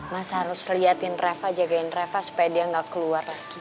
mas harus liatin reva jagain reva supaya dia nggak keluar lagi